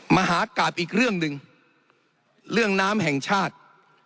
มหากราบอีกเรื่องหนึ่งเรื่องน้ำแห่งชาติ